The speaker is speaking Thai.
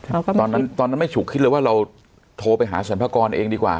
เราก็ไม่คิดตอนนั้นตอนนั้นไม่ฉุกคิดเลยว่าเราโทรไปหาสันพกรเองดีกว่า